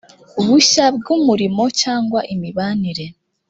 bushya bw’umurimo cyangwa imibanire